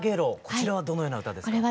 こちらはどのような歌ですか？